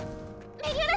メリオダ。